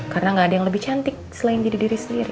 karena ga ada yang lebih cantik selain diri diri sendiri